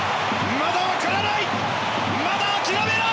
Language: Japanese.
まだ分からない！